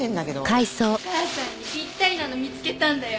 お母さんにぴったりなの見つけたんだよ。